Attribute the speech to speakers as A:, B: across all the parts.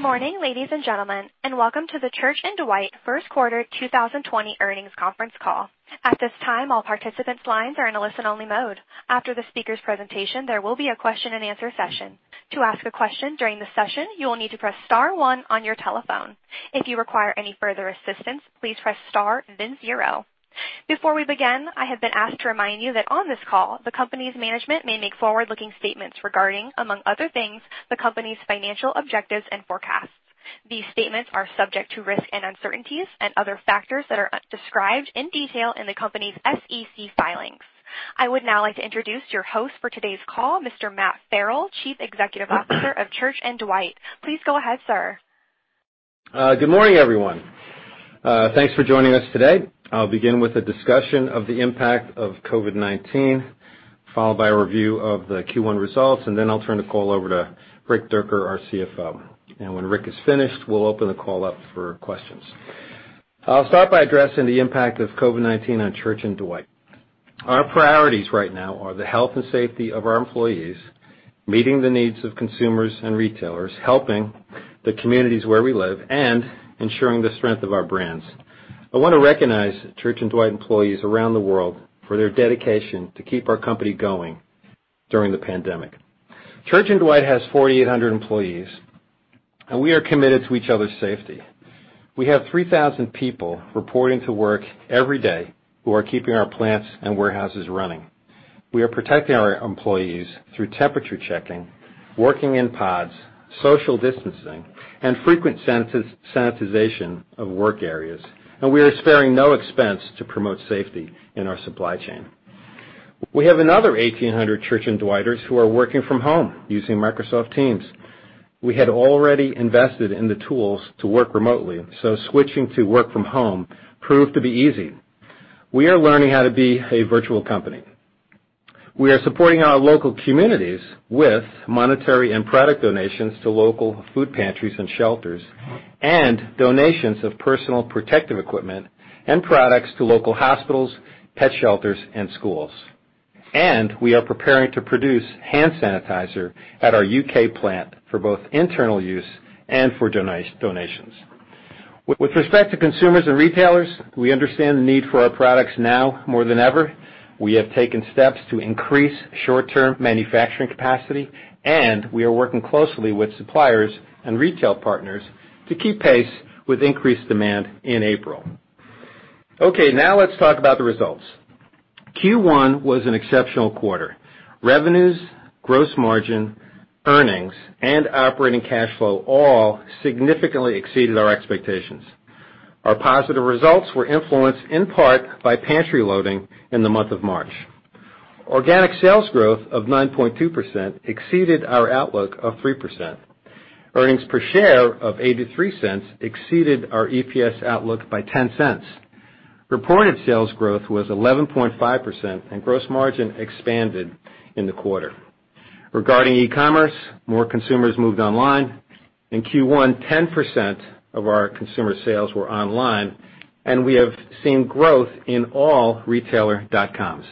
A: Good morning, ladies and gentlemen, and welcome to the Church & Dwight First Quarter 2020 Earnings Conference Call. At this time, all participants' lines are in a listen-only mode. After the speaker's presentation, there will be a question-and-answer session. To ask a question during the session, you will need to press star one on your telephone. If you require any further assistance, please press star then zero. Before we begin, I have been asked to remind you that on this call, the company's management may make forward-looking statements regarding, among other things, the company's financial objectives and forecasts. These statements are subject to risk and uncertainties and other factors that are described in detail in the company's SEC filings. I would now like to introduce your host for today's call, Mr. Matt Farrell, Chief Executive Officer of Church & Dwight. Please go ahead, sir.
B: Good morning, everyone. Thanks for joining us today. I'll begin with a discussion of the impact of COVID-19, followed by a review of the Q1 results, and then I'll turn the call over to Rick Dierker, our CFO. When Rick is finished, we'll open the call up for questions. I'll start by addressing the impact of COVID-19 on Church & Dwight. Our priorities right now are the health and safety of our employees, meeting the needs of consumers and retailers, helping the communities where we live, and ensuring the strength of our brands. I want to recognize Church & Dwight employees around the world for their dedication to keep our company going during the pandemic. Church & Dwight has 4,800 employees, and we are committed to each other's safety. We have 3,000 people reporting to work every day who are keeping our plants and warehouses running. We are protecting our employees through temperature checking, working in pods, social distancing, and frequent sanitization of work areas. We are sparing no expense to promote safety in our supply chain. We have another 1,800 Church & Dwight employees who are working from home using Microsoft Teams. We had already invested in the tools to work remotely, so switching to work from home proved to be easy. We are learning how to be a virtual company. We are supporting our local communities with monetary and product donations to local food pantries and shelters, and donations of personal protective equipment and products to local hospitals, pet shelters, and schools. We are preparing to produce hand sanitizer at our U.K. plant for both internal use and for donations. With respect to consumers and retailers, we understand the need for our products now more than ever. We have taken steps to increase short-term manufacturing capacity, and we are working closely with suppliers and retail partners to keep pace with increased demand in April. Okay, now let's talk about the results. Q1 was an exceptional quarter. Revenues, gross margin, earnings, and operating cash flow all significantly exceeded our expectations. Our positive results were influenced in part by pantry loading in the month of March. Organic sales growth of 9.2% exceeded our outlook of 3%. Earnings per share of $0.83 exceeded our EPS outlook by $0.10. Reported sales growth was 11.5%, and gross margin expanded in the quarter. Regarding e-commerce, more consumers moved online. In Q1, 10% of our consumer sales were online, and we have seen growth in all retailers.coms.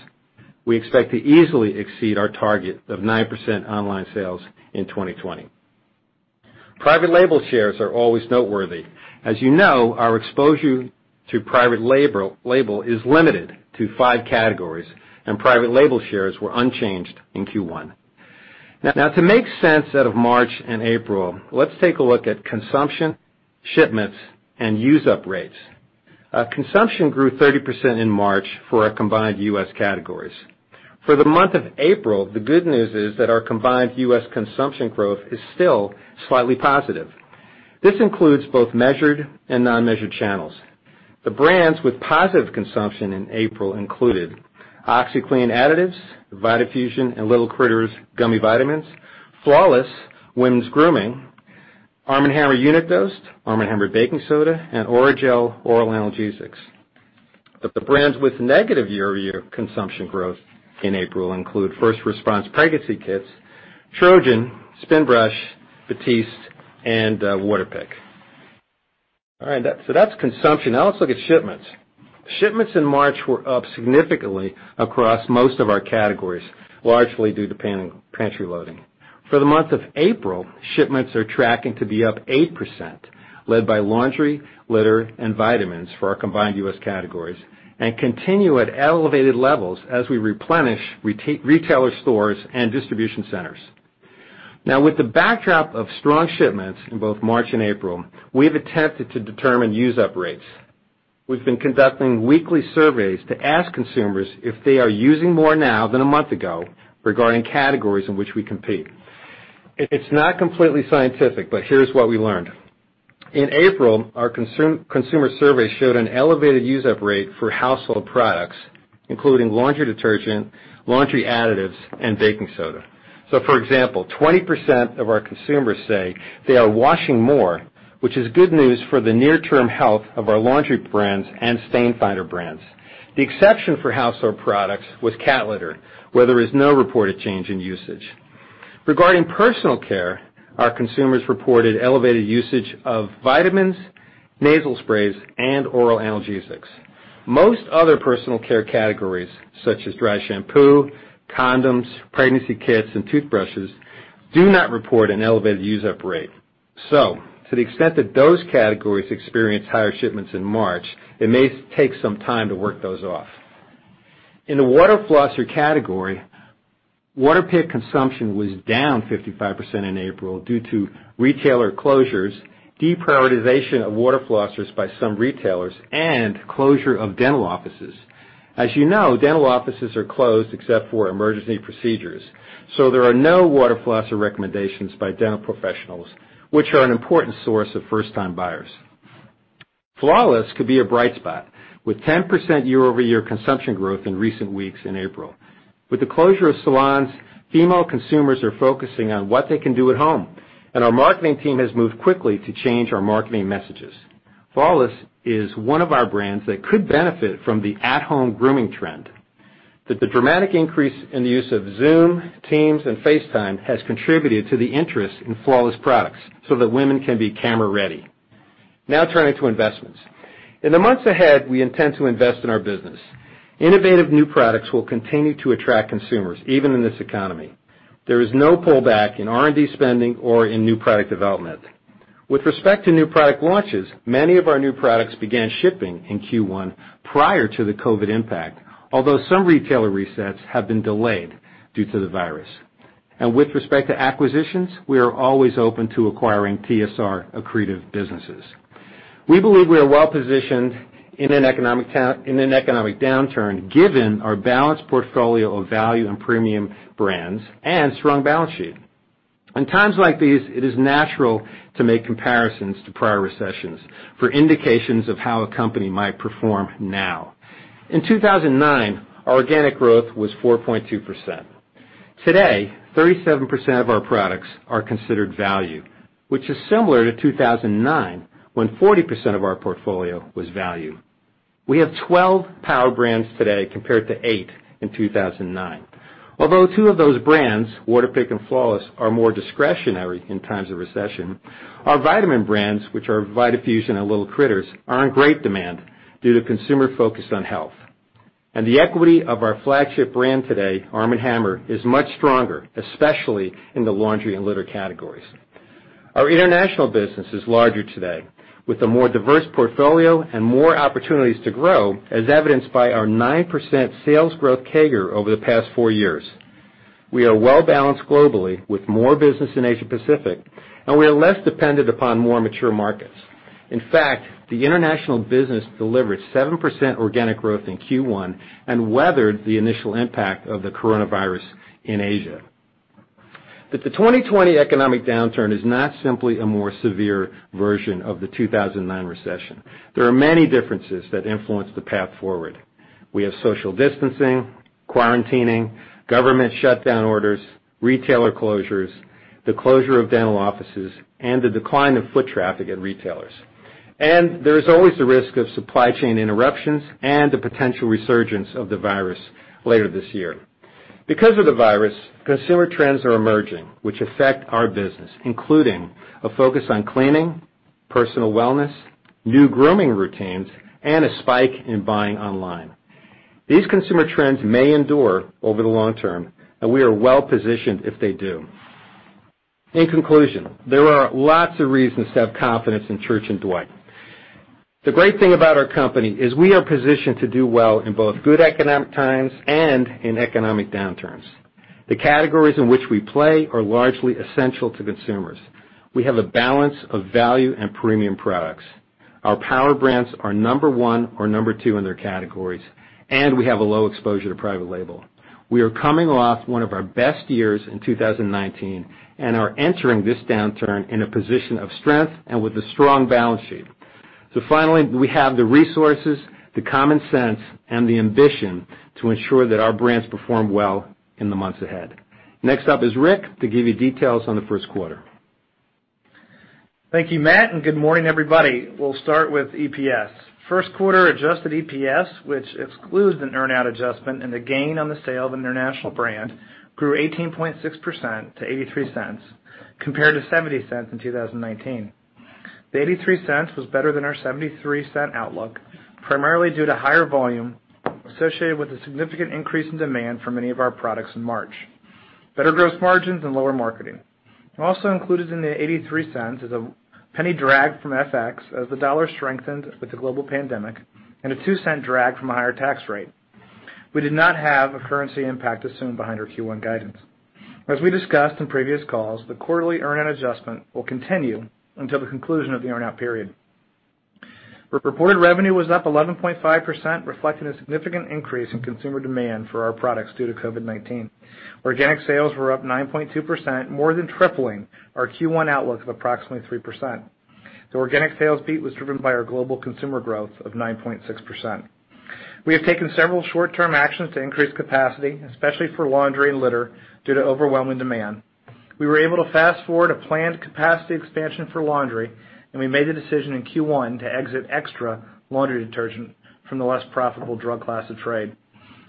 B: We expect to easily exceed our target of 9% online sales in 2020. Private label shares are always noteworthy. As you know, our exposure to private label is limited to five categories, and private label shares were unchanged in Q1. Now, to make sense out of March and April, let's take a look at consumption, shipments, and use-up rates. Consumption grew 30% in March for our combined U.S. categories. For the month of April, the good news is that our combined U.S. consumption growth is still slightly positive. This includes both measured and non-measured channels. The brands with positive consumption in April included OxiClean Additives, vitafusion, and L'il Critters Gummy Vitamins, Flawless Women's Grooming, Arm & Hammer Unit Dose, Arm & Hammer Baking Soda, and Orajel Oral Analgesics. The brands with negative year-over-year consumption growth in April include First Response Pregnancy Kits, Trojan, Spinbrush, Batiste, and Waterpik. All right, so that's consumption. Now let's look at shipments. Shipments in March were up significantly across most of our categories, largely due to pantry loading. For the month of April, shipments are tracking to be up 8%, led by laundry, litter, and vitamins for our combined US categories, and continue at elevated levels as we replenish retailer stores and distribution centers. Now, with the backdrop of strong shipments in both March and April, we've attempted to determine use-up rates. We've been conducting weekly surveys to ask consumers if they are using more now than a month ago regarding categories in which we compete. It's not completely scientific, but here's what we learned. In April, our consumer survey showed an elevated use-up rate for household products, including laundry detergent, laundry additives, and baking soda. For example, 20% of our consumers say they are washing more, which is good news for the near-term health of our laundry brands and stain finder brands. The exception for household products was cat litter, where there is no reported change in usage. Regarding personal care, our consumers reported elevated usage of vitamins, nasal sprays, and oral analgesics. Most other personal care categories, such as dry shampoo, condoms, pregnancy kits, and toothbrushes, do not report an elevated use-up rate. To the extent that those categories experience higher shipments in March, it may take some time to work those off. In the water flosser category, Waterpik consumption was down 55% in April due to retailer closures, deprioritization of water flossers by some retailers, and closure of dental offices. As you know, dental offices are closed except for emergency procedures, so there are no Waterpik water flosser recommendations by dental professionals, which are an important source of first-time buyers. Flawless could be a bright spot, with 10% year-over-year consumption growth in recent weeks in April. With the closure of salons, female consumers are focusing on what they can do at home, and our marketing team has moved quickly to change our marketing messages. Flawless is one of our brands that could benefit from the at-home grooming trend. The dramatic increase in the use of Zoom, Teams, and FaceTime has contributed to the interest in Flawless products so that women can be camera-ready. Now, turning to investments. In the months ahead, we intend to invest in our business. Innovative new products will continue to attract consumers, even in this economy. There is no pullback in R&D spending or in new product development. With respect to new product launches, many of our new products began shipping in Q1 prior to the COVID impact, although some retailer resets have been delayed due to the virus. With respect to acquisitions, we are always open to acquiring TSR accretive businesses. We believe we are well-positioned in an economic downturn given our balanced portfolio of value and premium brands and strong balance sheet. In times like these, it is natural to make comparisons to prior recessions for indications of how a company might perform now. In 2009, our organic growth was 4.2%. Today, 37% of our products are considered value, which is similar to 2009 when 40% of our portfolio was value. We have 12 power brands today compared to 8 in 2009. Although two of those brands, Waterpik and Flawless, are more discretionary in times of recession, our vitamin brands, which are vitafusion and L'il Critters, are in great demand due to consumer focus on health. The equity of our flagship brand today, Arm & Hammer, is much stronger, especially in the laundry and litter categories. Our international business is larger today, with a more diverse portfolio and more opportunities to grow, as evidenced by our 9% sales growth CAGR over the past four years. We are well-balanced globally with more business in Asia-Pacific, and we are less dependent upon more mature markets. In fact, the international business delivered 7% organic growth in Q1 and weathered the initial impact of the coronavirus in Asia. The 2020 economic downturn is not simply a more severe version of the 2009 recession. There are many differences that influence the path forward. We have social distancing, quarantining, government shutdown orders, retailer closures, the closure of dental offices, and the decline of foot traffic at retailers. There is always the risk of supply chain interruptions and the potential resurgence of the virus later this year. Because of the virus, consumer trends are emerging which affect our business, including a focus on cleaning, personal wellness, new grooming routines, and a spike in buying online. These consumer trends may endure over the long term, and we are well-positioned if they do. In conclusion, there are lots of reasons to have confidence in Church & Dwight. The great thing about our company is we are positioned to do well in both good economic times and in economic downturns. The categories in which we play are largely essential to consumers. We have a balance of value and premium products. Our power brands are number one or number two in their categories, and we have a low exposure to private label. We are coming off one of our best years in 2019 and are entering this downturn in a position of strength and with a strong balance sheet. Finally, we have the resources, the common sense, and the ambition to ensure that our brands perform well in the months ahead. Next up is Rick to give you details on the first quarter.
C: Thank you, Matt, and good morning, everybody. We'll start with EPS. First quarter adjusted EPS, which excludes an earnout adjustment and a gain on the sale of an international brand, grew 18.6% to $0.83 compared to $0.70 in 2019. The $0.83 was better than our $0.73 outlook, primarily due to higher volume associated with a significant increase in demand for many of our products in March, better gross margins, and lower marketing. Also included in the $0.83 is a $0.01 drag from FX as the dollar strengthened with the global pandemic and a $0.02 drag from a higher tax rate. We did not have a currency impact assumed behind our Q1 guidance. As we discussed in previous calls, the quarterly earnout adjustment will continue until the conclusion of the earnout period. Reported revenue was up 11.5%, reflecting a significant increase in consumer demand for our products due to COVID-19. Organic sales were up 9.2%, more than tripling our Q1 outlook of approximately 3%. The organic sales beat was driven by our global consumer growth of 9.6%. We have taken several short-term actions to increase capacity, especially for laundry and litter, due to overwhelming demand. We were able to fast-forward a planned capacity expansion for laundry, and we made the decision in Q1 to exit XTRA laundry detergent from the less profitable drug class of trade.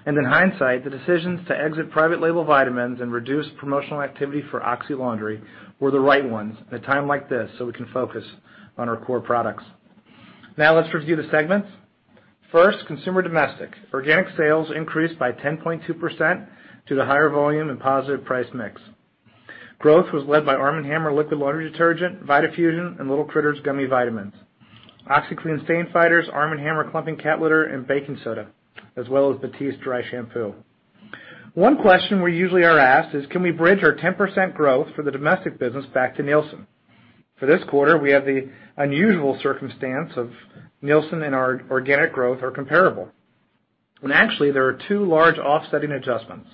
C: In hindsight, the decisions to exit private label vitamins and reduce promotional activity for OxiClean laundry were the right ones at a time like this so we can focus on our core products. Now, let's review the segments. First, consumer domestic. Organic sales increased by 10.2% due to higher volume and positive price mix. Growth was led by Arm & Hammer liquid laundry detergent, vitafusion, and Little Critters gummy vitamins, OxiClean stain fighters, Arm & Hammer clumping cat litter, and baking soda, as well as Batiste dry shampoo. One question we usually are asked is, can we bridge our 10% growth for the domestic business back to Nielsen? For this quarter, we have the unusual circumstance of Nielsen and our organic growth are comparable. There are two large offsetting adjustments.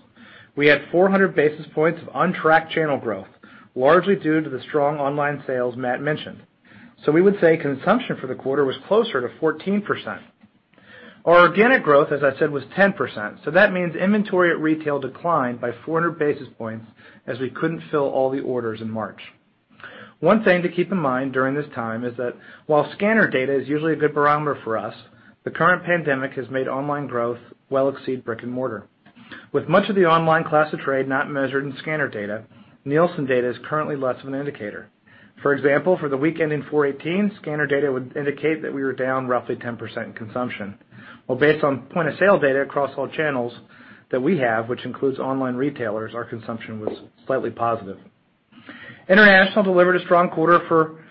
C: We had 400 basis points of untracked channel growth, largely due to the strong online sales Matt mentioned. We would say consumption for the quarter was closer to 14%. Our organic growth, as I said, was 10%, so that means inventory at retail declined by 400 basis points as we could not fill all the orders in March. One thing to keep in mind during this time is that while scanner data is usually a good barometer for us, the current pandemic has made online growth well exceed brick and mortar. With much of the online class of trade not measured in scanner data, Nielsen data is currently less of an indicator. For example, for the week ending April 18, scanner data would indicate that we were down roughly 10% in consumption. Based on point-of-sale data across all channels that we have, which includes online retailers, our consumption was slightly positive. International delivered a strong quarter for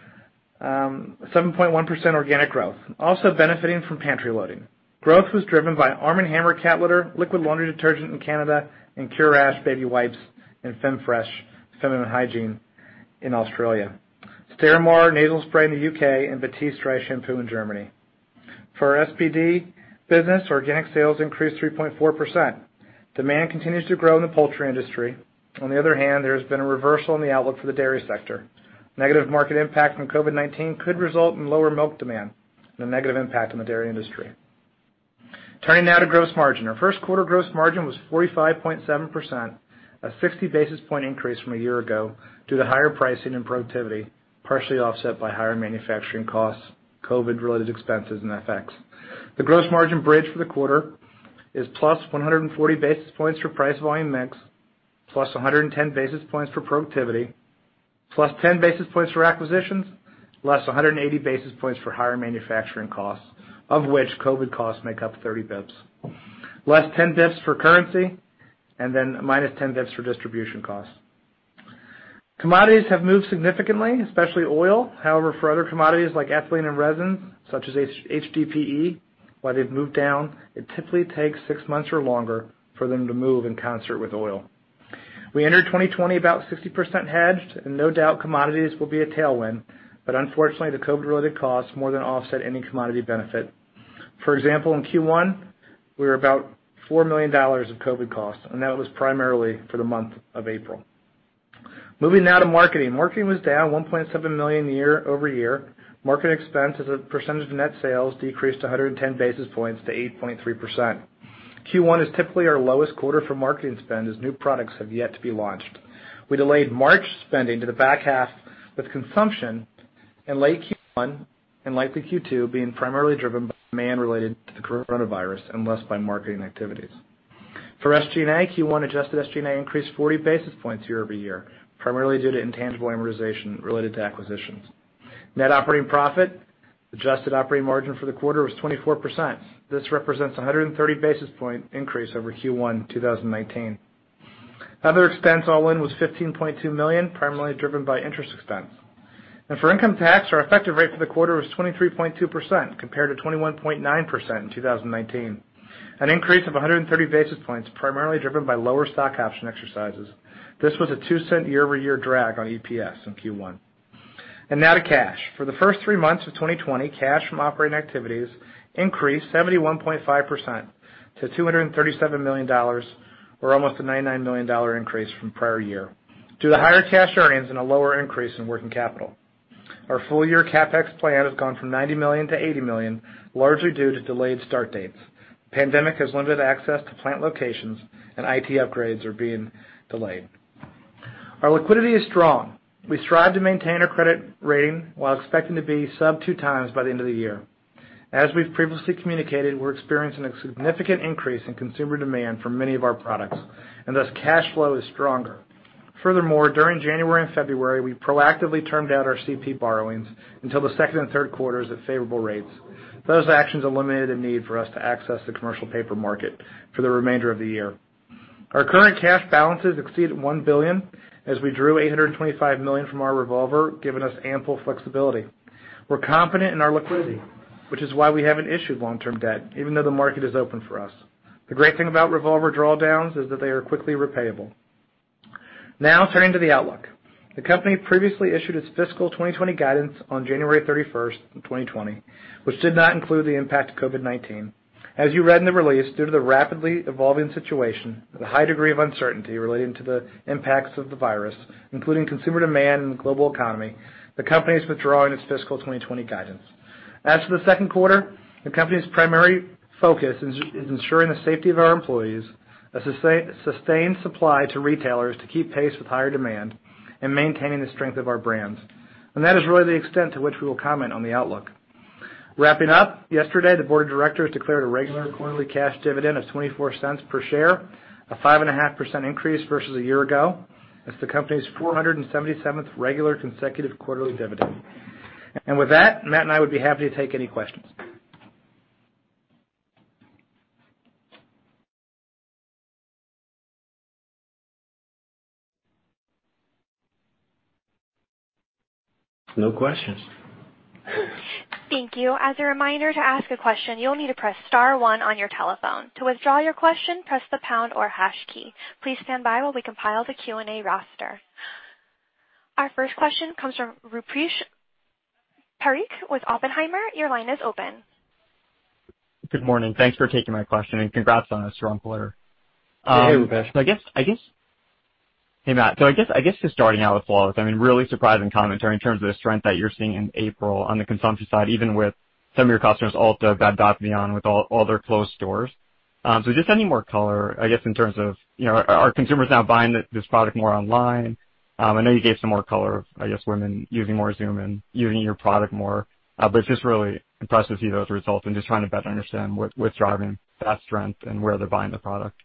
C: 7.1% organic growth, also benefiting from pantry loading. Growth was driven by Arm & Hammer cat litter, liquid laundry detergent in Canada, and Curash baby wipes and Femfresh feminine hygiene in Australia, Sterimar nasal spray in the U.K., and Batiste dry shampoo in Germany. For SPD business, organic sales increased 3.4%. Demand continues to grow in the poultry industry. On the other hand, there has been a reversal in the outlook for the dairy sector. Negative market impact from COVID-19 could result in lower milk demand and a negative impact on the dairy industry. Turning now to gross margin. Our first quarter gross margin was 45.7%, a 60 basis point increase from a year ago due to higher pricing and productivity, partially offset by higher manufacturing costs, COVID-related expenses, and FX. The gross margin bridge for the quarter is plus 140 basis points for price volume mix, plus 110 basis points for productivity, plus 10 basis points for acquisitions, less 180 basis points for higher manufacturing costs, of which COVID costs make up 30 basis points, less 10 basis points for currency, and then minus 10 basis points for distribution costs. Commodities have moved significantly, especially oil. However, for other commodities like ethylene and resins, such as HDPE, while they've moved down, it typically takes six months or longer for them to move in concert with oil. We entered 2020 about 60% hedged, and no doubt commodities will be a tailwind, but unfortunately, the COVID-related costs more than offset any commodity benefit. For example, in Q1, we were about $4 million of COVID costs, and that was primarily for the month of April. Moving now to marketing. Marketing was down $1.7 million over a year. Marketing expense as a percentage of net sales decreased 110 basis points to 8.3%. Q1 is typically our lowest quarter for marketing spend as new products have yet to be launched. We delayed March spending to the back half with consumption in late Q1 and likely Q2 being primarily driven by demand related to the coronavirus and less by marketing activities. For SG&A, Q1 adjusted SG&A increased 40 basis points year over year, primarily due to intangible amortization related to acquisitions. Net operating profit, adjusted operating margin for the quarter, was 24%. This represents a 130 basis point increase over Q1 2019. Other expense all in was $15.2 million, primarily driven by interest expense. For income tax, our effective rate for the quarter was 23.2% compared to 21.9% in 2019, an increase of 130 basis points primarily driven by lower stock option exercises. This was a 2-cent year-over-year drag on EPS in Q1. Now to cash. For the first three months of 2020, cash from operating activities increased 71.5% to $237 million, or almost a $99 million increase from prior year due to higher cash earnings and a lower increase in working capital. Our full-year CapEx plan has gone from $90 million to $80 million, largely due to delayed start dates. The pandemic has limited access to plant locations, and IT upgrades are being delayed. Our liquidity is strong. We strive to maintain our credit rating while expecting to be sub two times by the end of the year. As we've previously communicated, we're experiencing a significant increase in consumer demand for many of our products, and thus cash flow is stronger. Furthermore, during January and February, we proactively termed out our CP borrowings until the second and third quarters at favorable rates. Those actions eliminated the need for us to access the commercial paper market for the remainder of the year. Our current cash balances exceeded $1 billion as we drew $825 million from our revolver, giving us ample flexibility. We're confident in our liquidity, which is why we haven't issued long-term debt, even though the market is open for us. The great thing about revolver drawdowns is that they are quickly repayable. Now, turning to the outlook. The company previously issued its fiscal 2020 guidance on January 31, 2020, which did not include the impact of COVID-19. As you read in the release, due to the rapidly evolving situation and the high degree of uncertainty relating to the impacts of the virus, including consumer demand and the global economy, the company is withdrawing its fiscal 2020 guidance. As for the second quarter, the company's primary focus is ensuring the safety of our employees, a sustained supply to retailers to keep pace with higher demand, and maintaining the strength of our brands. That is really the extent to which we will comment on the outlook. Wrapping up, yesterday, the board of directors declared a regular quarterly cash dividend of $0.24 per share, a 5.5% increase versus a year ago. It is the company's 477th regular consecutive quarterly dividend. With that, Matt and I would be happy to take any questions.
B: No questions.
A: Thank you. As a reminder to ask a question, you'll need to press star one on your telephone. To withdraw your question, press the pound or hash key. Please stand by while we compile the Q&A roster. Our first question comes from Rupesh Parikh with Oppenheimer. Your line is open.
D: Good morning. Thanks for taking my question and congrats on a strong quarter.
B: Hey, Rupesh.
D: I guess. Hey, Matt. I guess just starting out with Flawless, I mean, really surprising commentary in terms of the strength that you're seeing in April on the consumption side, even with some of your customers also got docked down with all their closed stores. Just any more color, I guess, in terms of are consumers now buying this product more online. I know you gave some more color of, I guess, women using more Zoom and using your product more, but it's just really impressive to see those results and just trying to better understand what's driving that strength and where they're buying the product.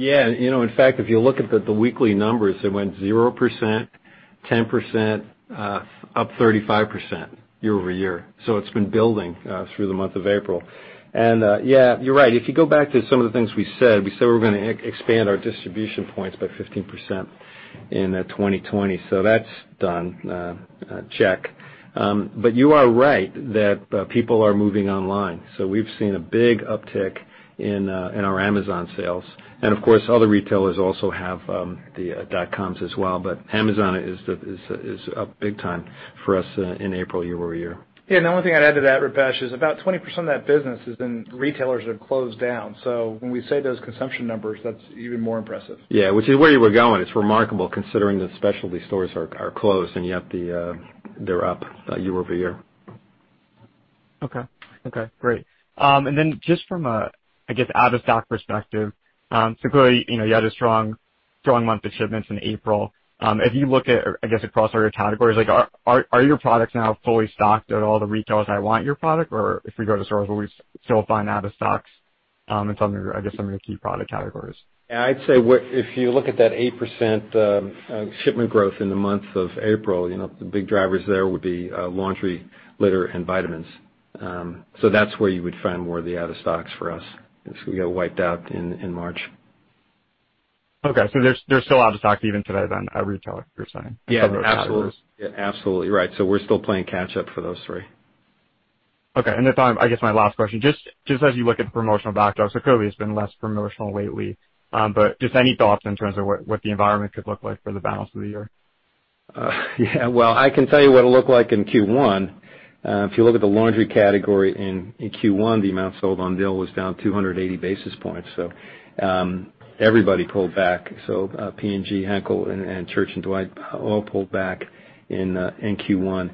B: Yeah. You know, in fact, if you look at the weekly numbers, it went 0%, 10%, up 35% year over year. So it's been building through the month of April. And yeah, you're right. If you go back to some of the things we said, we said we were going to expand our distribution points by 15% in 2020. So that's done. Check. But you are right that people are moving online. So we've seen a big uptick in our Amazon sales. And of course, other retailers also have the dot-coms as well. But Amazon is up big time for us in April year over year.
C: Yeah. The only thing I'd add to that, Rupesh, is about 20% of that business is in retailers that have closed down. When we say those consumption numbers, that's even more impressive.
B: Yeah, which is where you were going. It's remarkable considering that specialty stores are closed and yet they're up year over year.
D: Okay. Great. And then just from a, I guess, out-of-stock perspective, so clearly you had a strong, strong month of shipments in April. If you look at, I guess, across all your categories, are your products now fully stocked at all the retailers that want your product? If we go to stores, will we still find out-of-stocks in some, I guess, some of your key product categories?
B: Yeah. I'd say if you look at that 8% shipment growth in the month of April, the big drivers there would be laundry, litter, and vitamins. That is where you would find more of the out-of-stocks for us. We got wiped out in March.
D: Okay. So they're still out-of-stocks even today then at retailers, you're saying?
B: Yeah. Absolutely. Right. So we're still playing catch-up for those three.
D: Okay. I guess my last question, just as you look at the promotional backdrop, clearly it's been less promotional lately. Just any thoughts in terms of what the environment could look like for the balance of the year?
B: Yeah. I can tell you what it looked like in Q1. If you look at the laundry category in Q1, the amount sold on deal was down 280 basis points. Everybody pulled back. P&G, Henkel, and Church & Dwight all pulled back in Q1.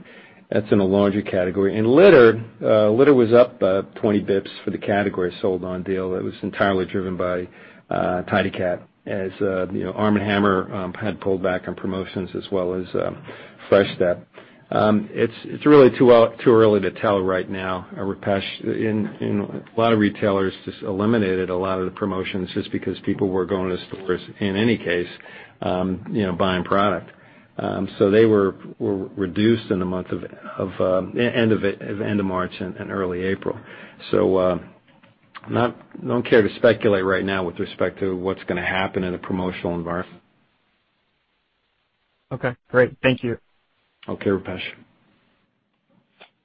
B: That is in the laundry category. Litter was up 20 basis points for the category sold on deal. It was entirely driven by TidyCat as Arm & Hammer had pulled back on promotions as well as Fresh Step. It is really too early to tell right now, Rupesh. A lot of retailers just eliminated a lot of the promotions just because people were going to the stores in any case buying product. They were reduced in the end of March and early April. I do not care to speculate right now with respect to what is going to happen in the promotional environment.
D: Okay. Great. Thank you.
B: Okay, Rupesh.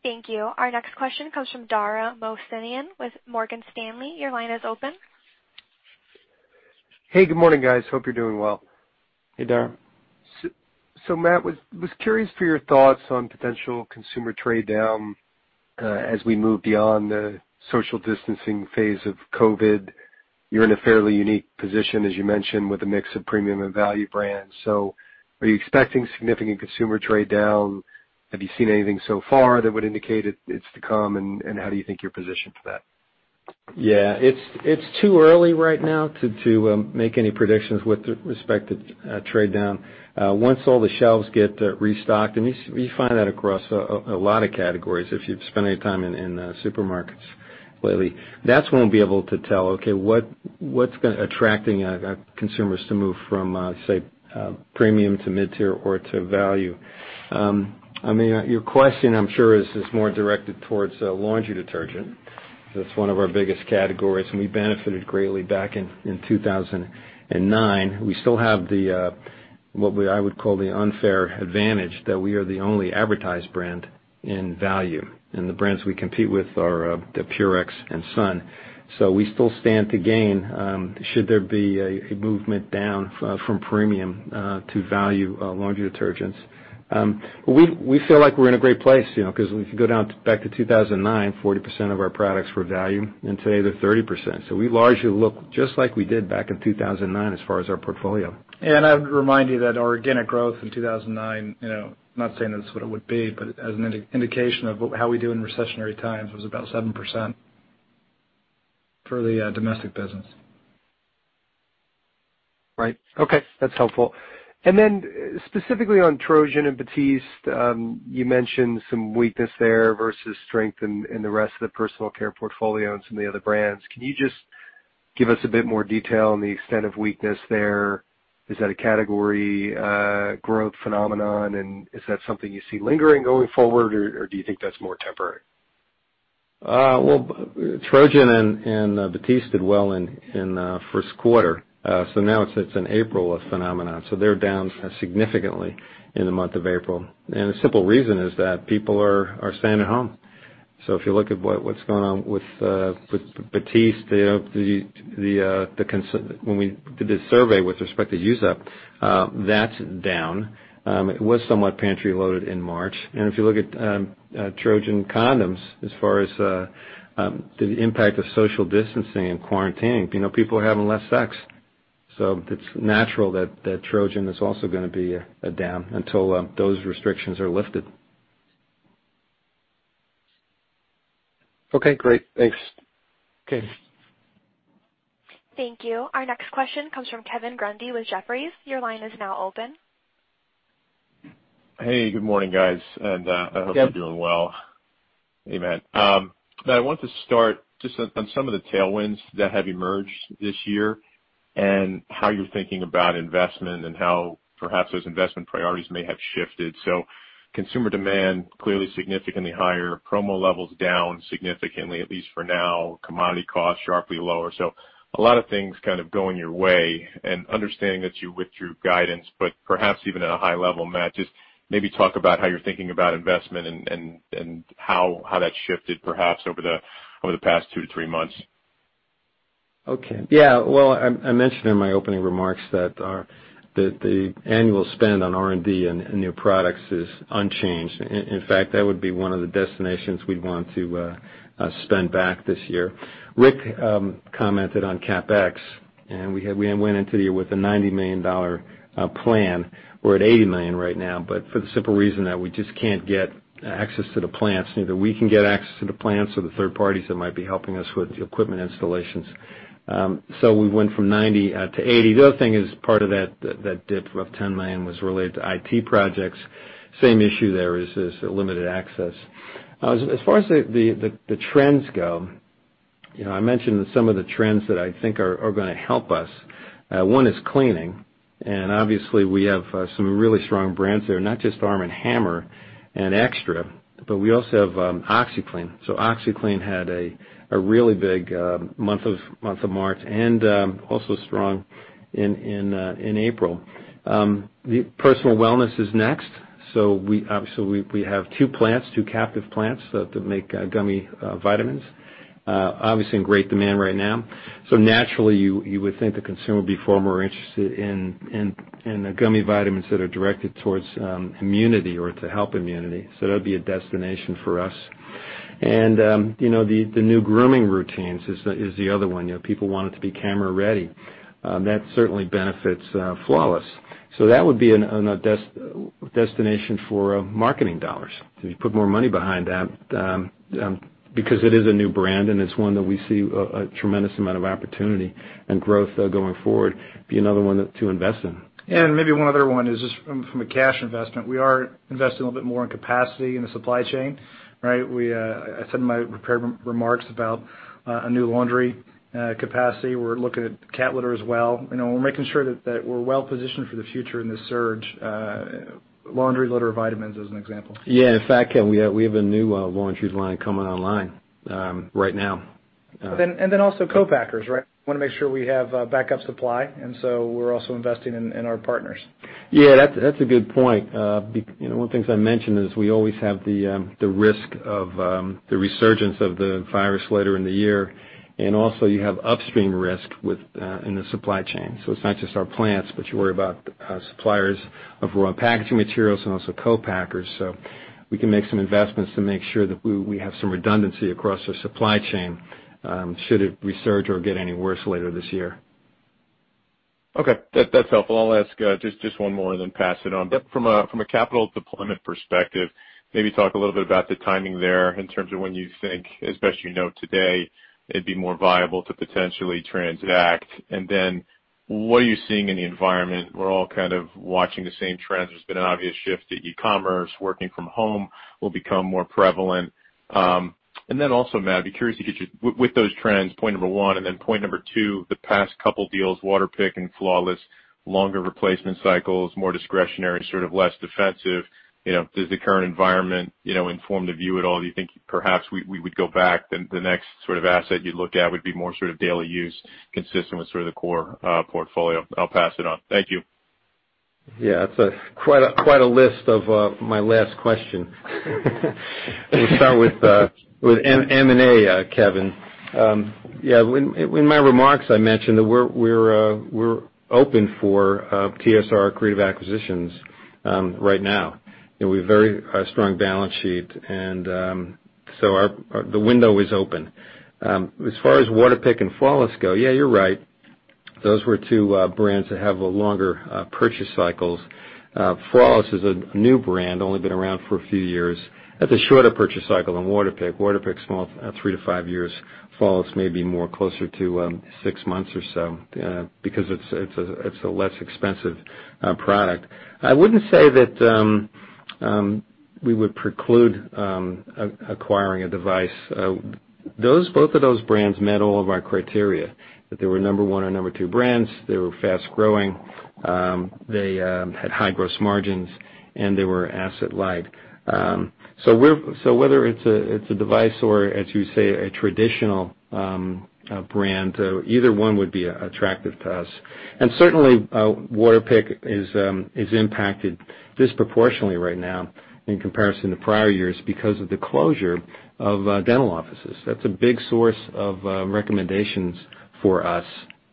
A: Thank you. Our next question comes from Dara Mohsenian with Morgan Stanley. Your line is open.
E: Hey, good morning, guys. Hope you're doing well.
B: Hey, Dara.
E: Matt, was curious for your thoughts on potential consumer trade down as we move beyond the social distancing phase of COVID. You're in a fairly unique position, as you mentioned, with a mix of premium and value brands. Are you expecting significant consumer trade down? Have you seen anything so far that would indicate it's to come? How do you think you're positioned for that?
B: Yeah. It's too early right now to make any predictions with respect to trade down. Once all the shelves get restocked, and you find that across a lot of categories if you've spent any time in supermarkets lately, that's when we'll be able to tell, okay, what's attracting consumers to move from, say, premium to mid-tier or to value. I mean, your question, I'm sure, is more directed towards laundry detergent. That's one of our biggest categories. And we benefited greatly back in 2009. We still have what I would call the unfair advantage that we are the only advertised brand in value. And the brands we compete with are Purex and Sun. So we still stand to gain should there be a movement down from premium to value laundry detergents. We feel like we're in a great place because if you go back to 2009, 40% of our products were value. Today, they're 30%. We largely look just like we did back in 2009 as far as our portfolio.
C: Yeah. I would remind you that our organic growth in 2009, not saying that's what it would be, but as an indication of how we do in recessionary times, it was about 7% for the domestic business.
E: Right. Okay. That's helpful. Then specifically on Trojan and Batiste, you mentioned some weakness there versus strength in the rest of the personal care portfolio and some of the other brands. Can you just give us a bit more detail on the extent of weakness there? Is that a category growth phenomenon? Is that something you see lingering going forward, or do you think that's more temporary?
B: Trojan and Batiste did well in the first quarter. It is an April phenomenon. They are down significantly in the month of April. The simple reason is that people are staying at home. If you look at what is going on with Batiste, when we did the survey with respect to use up, that is down. It was somewhat pantry loaded in March. If you look at Trojan condoms, as far as the impact of social distancing and quarantining, people are having less sex. It is natural that Trojan is also going to be down until those restrictions are lifted.
E: Okay. Great. Thanks.
B: Okay.
A: Thank you. Our next question comes from Kevin Grundy with Jefferies. Your line is now open.
F: Hey, good morning, guys. I hope you're doing well. Hey, Matt. I want to start just on some of the tailwinds that have emerged this year and how you're thinking about investment and how perhaps those investment priorities may have shifted. Consumer demand clearly significantly higher, promo levels down significantly, at least for now, commodity costs sharply lower. A lot of things kind of going your way and understanding that you withdrew guidance, but perhaps even at a high level, Matt, just maybe talk about how you're thinking about investment and how that shifted perhaps over the past two to three months.
B: Okay. Yeah. I mentioned in my opening remarks that the annual spend on R&D and new products is unchanged. In fact, that would be one of the destinations we'd want to spend back this year. Rick commented on CapEx, and we went into the year with a $90 million plan. We're at $80 million right now, but for the simple reason that we just can't get access to the plants. Neither we can get access to the plants or the third parties that might be helping us with the equipment installations. So we went from $90 million to $80 million. The other thing is part of that dip of $10 million was related to IT projects. Same issue there is limited access. As far as the trends go, I mentioned some of the trends that I think are going to help us. One is cleaning. We have some really strong brands there, not just Arm & Hammer and XTRA, but we also have OxiClean. OxiClean had a really big month of March and also strong in April. Personal wellness is next. We have two plants, two captive plants that make gummy vitamins, obviously in great demand right now. Naturally, you would think the consumer would be far more interested in gummy vitamins that are directed towards immunity or to help immunity. That would be a destination for us. The new grooming routines is the other one. People want to be camera ready. That certainly benefits Flawless. That would be a destination for marketing dollars. You put more money behind that because it is a new brand and it is one that we see a tremendous amount of opportunity and growth going forward. It'd be another one to invest in.
C: Yeah. Maybe one other one is just from a cash investment. We are investing a little bit more in capacity in the supply chain. Right? I said in my prepared remarks about a new laundry capacity. We are looking at cat litter as well. We are making sure that we are well positioned for the future in this surge. Laundry, litter, vitamins as an example.
B: Yeah. In fact, we have a new laundry line coming online right now.
C: We also have co-packers, right? Want to make sure we have backup supply. We are also investing in our partners.
B: Yeah. That's a good point. One of the things I mentioned is we always have the risk of the resurgence of the virus later in the year. Also you have upstream risk in the supply chain. It is not just our plants, but you worry about suppliers of raw packaging materials and also co-packers. We can make some investments to make sure that we have some redundancy across our supply chain should it resurge or get any worse later this year.
F: Okay. That's helpful. I'll ask just one more and then pass it on. From a capital deployment perspective, maybe talk a little bit about the timing there in terms of when you think, as best you know today, it'd be more viable to potentially transact. What are you seeing in the environment? We're all kind of watching the same trends. There's been an obvious shift to e-commerce. Working from home will become more prevalent. Also, Matt, I'd be curious to get you with those trends, point number one. Point number two, the past couple deals, Waterpik and Flawless, longer replacement cycles, more discretionary, sort of less defensive. Does the current environment inform the view at all? Do you think perhaps we would go back? The next sort of asset you'd look at would be more sort of daily use, consistent with sort of the core portfolio. I'll pass it on. Thank you.
B: Yeah. That's quite a list for my last question. We'll start with M&A, Kevin. Yeah. In my remarks, I mentioned that we're open for TSR accretive acquisitions right now. We have a very strong balance sheet. The window is open. As far as Waterpik and Flawless go, yeah, you're right. Those were two brands that have longer purchase cycles. Flawless is a new brand, only been around for a few years. That's a shorter purchase cycle than Waterpik. Waterpik, small, three to five years. Flawless may be more closer to six months or so because it's a less expensive product. I wouldn't say that we would preclude acquiring a device. Both of those brands met all of our criteria, that they were number one or number two brands. They were fast growing. They had high gross margins. They were asset light. Whether it's a device or, as you say, a traditional brand, either one would be attractive to us. Certainly, Waterpik is impacted disproportionately right now in comparison to prior years because of the closure of dental offices. That's a big source of recommendations for us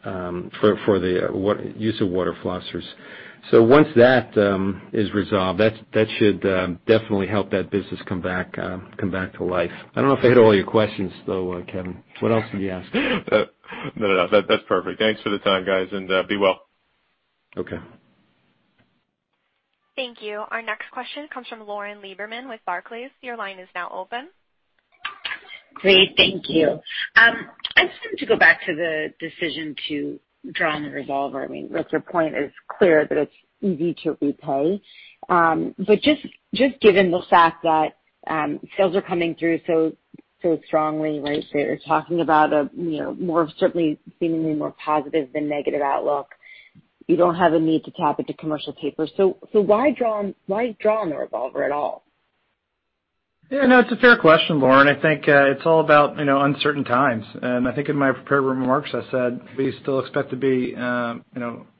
B: for the use of water flossers. Once that is resolved, that should definitely help that business come back to life. I don't know if I hit all your questions, though, Kevin. What else did you ask?
F: No, no, no. That's perfect. Thanks for the time, guys, and be well.
B: Okay.
A: Thank you. Our next question comes from Lauren Lieberman with Barclays. Your line is now open.
G: Great. Thank you. I just wanted to go back to the decision to draw on the revolver. I mean, Rick, your point is clear that it's easy to repay. Just given the fact that sales are coming through so strongly, right? They're talking about a more certainly seemingly more positive than negative outlook. You don't have a need to tap into commercial paper. Why draw on the revolver at all?
C: Yeah. No, it's a fair question, Lauren. I think it's all about uncertain times. I think in my prepared remarks, I said we still expect to be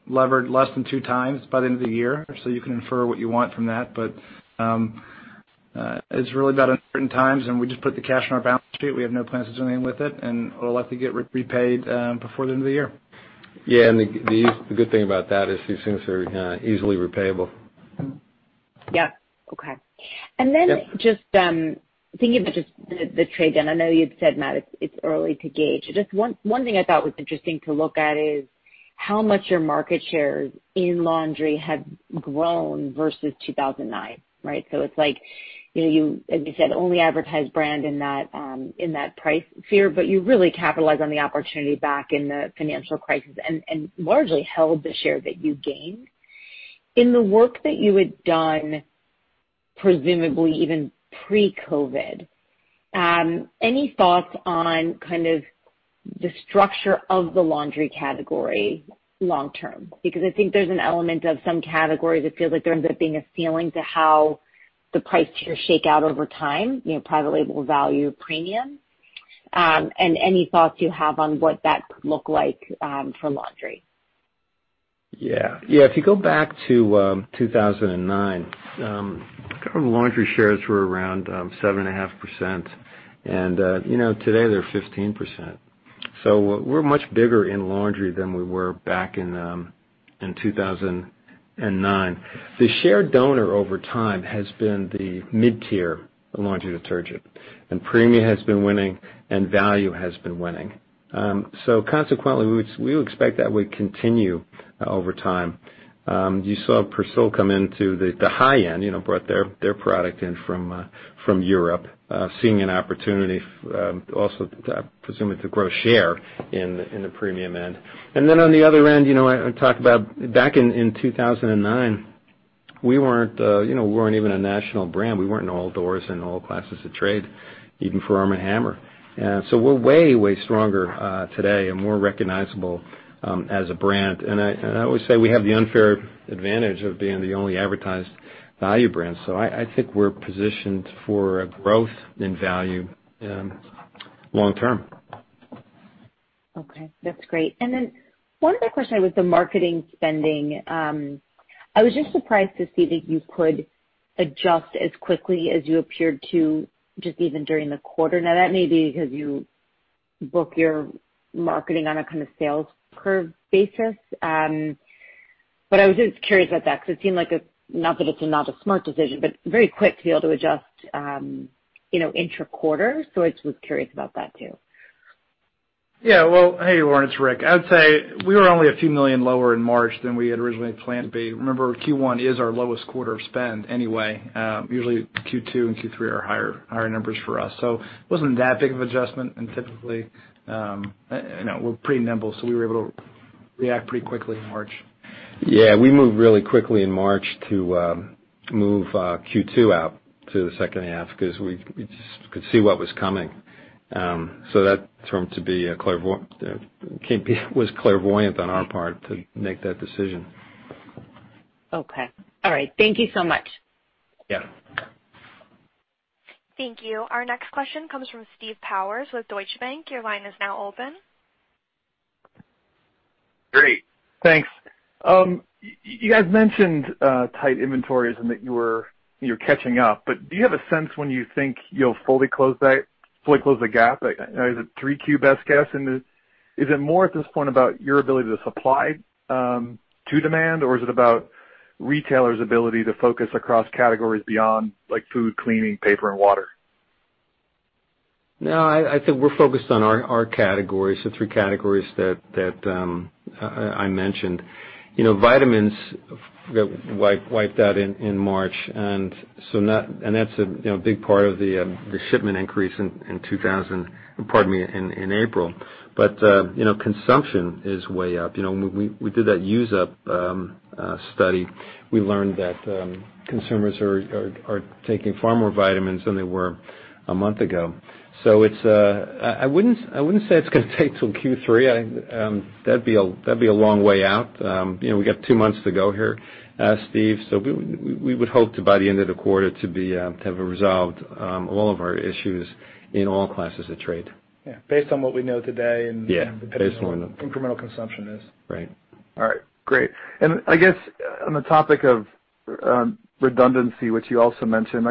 C: levered less than two times by the end of the year. You can infer what you want from that. It's really about uncertain times. We just put the cash on our balance sheet. We have no plans to do anything with it. We'll likely get repaid before the end of the year.
B: Yeah. The good thing about that is these things are easily repayable.
G: Yeah. Okay. Just thinking about just the trade down, I know you'd said, Matt, it's early to gauge. One thing I thought was interesting to look at is how much your market share in laundry has grown versus 2009, right? It's like, as you said, only advertised brand in that price sphere, but you really capitalized on the opportunity back in the financial crisis and largely held the share that you gained. In the work that you had done, presumably even pre-COVID, any thoughts on kind of the structure of the laundry category long-term? I think there's an element of some categories that feel like there ends up being a ceiling to how the price shares shake out over time, private label, value, premium. Any thoughts you have on what that could look like for laundry?
B: Yeah. Yeah. If you go back to 2009, laundry shares were around 7.5%. And today, they're 15%. So we're much bigger in laundry than we were back in 2009. The share donor over time has been the mid-tier laundry detergent. Premium has been winning and value has been winning. Consequently, we expect that would continue over time. You saw Persil come into the high end, brought their product in from Europe, seeing an opportunity also to, I presume, to grow share in the premium end. On the other end, I talk about back in 2009, we weren't even a national brand. We weren't in all doors and all classes of trade, even for Arm & Hammer. We're way, way stronger today and more recognizable as a brand. I always say we have the unfair advantage of being the only advertised value brand. I think we're positioned for growth in value long-term.
G: Okay. That's great. One other question with the marketing spending. I was just surprised to see that you could adjust as quickly as you appeared to just even during the quarter. That may be because you book your marketing on a kind of sales curve basis. I was just curious about that because it seemed like, not that it's not a smart decision, but very quick to be able to adjust intra-quarter. I was curious about that too.
C: Yeah. Hey, Lauren, it's Rick. I would say we were only a few million lower in March than we had originally planned to be. Remember, Q1 is our lowest quarter of spend anyway. Usually, Q2 and Q3 are higher numbers for us. It was not that big of an adjustment. Typically, we are pretty nimble, so we were able to react pretty quickly in March.
B: Yeah. We moved really quickly in March to move Q2 out to the second half because we could see what was coming. That turned out to be clairvoyant on our part to make that decision.
G: Okay. All right. Thank you so much.
B: Yeah.
A: Thank you. Our next question comes from Steve Powers with Deutsche Bank. Your line is now open.
H: Great. Thanks. You had mentioned tight inventories and that you're catching up. Do you have a sense when you think you'll fully close the gap? Is it three Q best guess? Is it more at this point about your ability to supply to demand, or is it about retailers' ability to focus across categories beyond food, cleaning, paper, and water?
B: No, I think we're focused on our categories, the three categories that I mentioned. Vitamins, we wiped out in March. That's a big part of the shipment increase in 2020, pardon me, in April. Consumption is way up. We did that use-up study. We learned that consumers are taking far more vitamins than they were a month ago. I wouldn't say it's going to take till Q3. That'd be a long way out. We got two months to go here, Steve. We would hope to, by the end of the quarter, to have resolved all of our issues in all classes of trade.
C: Yeah. Based on what we know today and the incremental consumption is.
B: Right.
H: All right. Great. I guess on the topic of redundancy, which you also mentioned,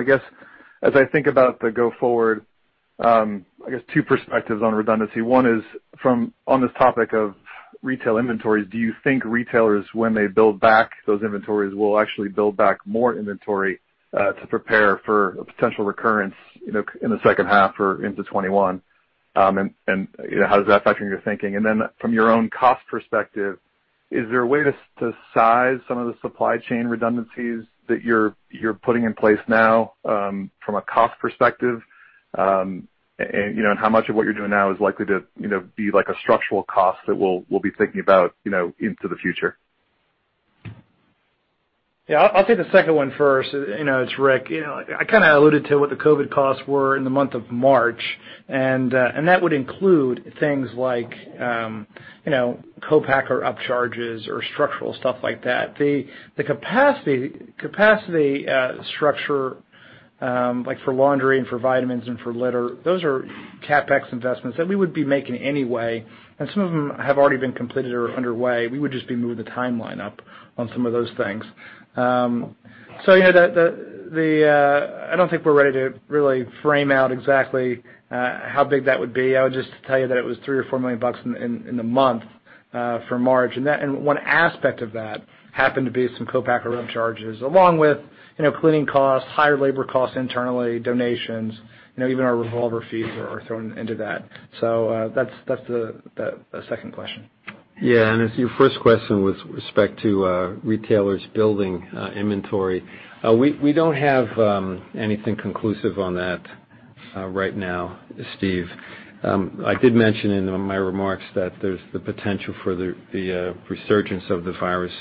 H: as I think about the go-forward, I guess two perspectives on redundancy. One is on this topic of retail inventories. Do you think retailers, when they build back those inventories, will actually build back more inventory to prepare for a potential recurrence in the second half or into 2021? How does that factor in your thinking? From your own cost perspective, is there a way to size some of the supply chain redundancies that you're putting in place now from a cost perspective? How much of what you're doing now is likely to be a structural cost that we'll be thinking about into the future?
C: Yeah. I'll take the second one first. It's Rick. I kind of alluded to what the COVID costs were in the month of March. That would include things like co-packer upcharges or structural stuff like that. The capacity structure for laundry and for vitamins and for litter, those are CapEx investments that we would be making anyway. Some of them have already been completed or are underway. We would just be moving the timeline up on some of those things. I don't think we're ready to really frame out exactly how big that would be. I would just tell you that it was $3 million or $4 million in the month for March. One aspect of that happened to be some co-packer upcharges along with cleaning costs, higher labor costs internally, donations, even our revolver fees are thrown into that. That's the second question.
B: Yeah. As to your first question with respect to retailers building inventory, we do not have anything conclusive on that right now, Steve. I did mention in my remarks that there is the potential for the resurgence of the virus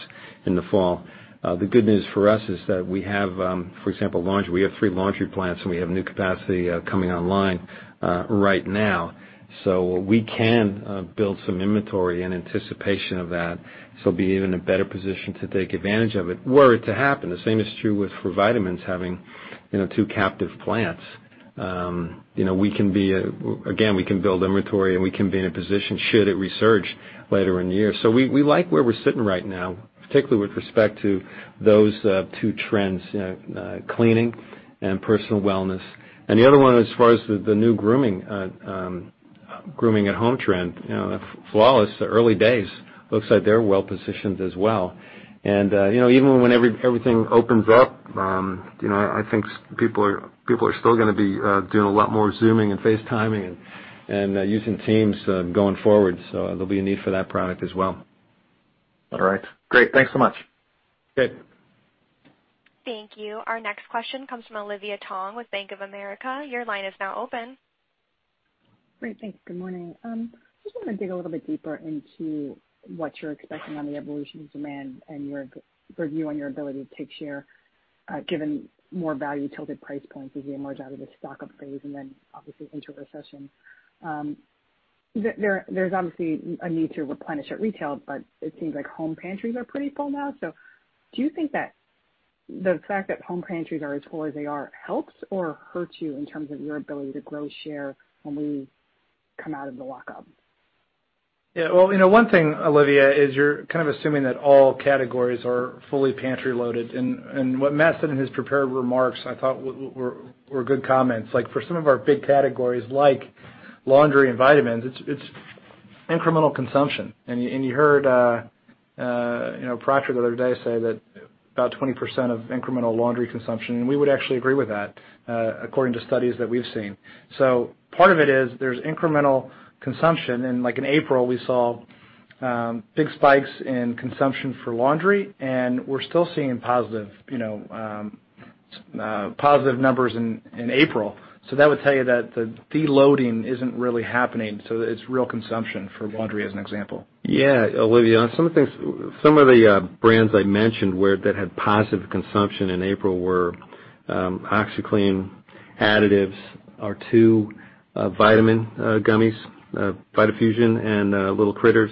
B: in the fall. The good news for us is that we have, for example, laundry. We have three laundry plants, and we have new capacity coming online right now. We can build some inventory in anticipation of that. We will be in a better position to take advantage of it were it to happen. The same is true for vitamins having two captive plants. We can be, again, we can build inventory, and we can be in a position should it resurge later in the year. We like where we are sitting right now, particularly with respect to those two trends, cleaning and personal wellness. The other one, as far as the new grooming at home trend, Flawless, the early days, looks like they're well positioned as well. Even when everything opens up, I think people are still going to be doing a lot more Zooming and FaceTiming and using Teams going forward. There will be a need for that product as well.
H: All right. Great. Thanks so much.
B: Good.
A: Thank you. Our next question comes from Olivia Tong with Bank of America. Your line is now open.
I: Great. Thanks. Good morning. I just want to dig a little bit deeper into what you're expecting on the evolution of demand and your review on your ability to take share given more value-tilted price points as we emerge out of the stock-up phase and then, obviously, into a recession. There's obviously a need to replenish at retail, but it seems like home pantries are pretty full now. Do you think that the fact that home pantries are as full as they are helps or hurts you in terms of your ability to grow share when we come out of the lockup?
C: Yeah. One thing, Olivia, is you're kind of assuming that all categories are fully pantry-loaded. What Matt said in his prepared remarks, I thought, were good comments. For some of our big categories like laundry and vitamins, it's incremental consumption. You heard Procter the other day say that about 20% of incremental laundry consumption. We would actually agree with that according to studies that we've seen. Part of it is there's incremental consumption. In April, we saw big spikes in consumption for laundry. We're still seeing positive numbers in April. That would tell you that the loading isn't really happening. It's real consumption for laundry, as an example.
B: Yeah. Olivia, some of the brands I mentioned that had positive consumption in April were OxiClean, Additives, R2, Vitamin Gummies, vitafusion, and L'il Critters.